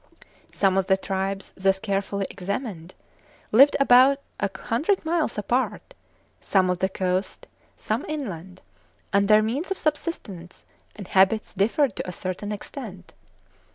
Some of the tribes, thus carefully examined, lived above a hundred miles apart, some on the coast, some inland; and their means of subsistence and habits differed to a certain extent (p.